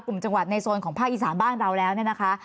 กลุ่มจังหวัดในโซนของภาคอีสานบ้านเราแล้วเนี่ยนะคะ